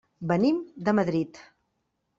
Venim de Madrid.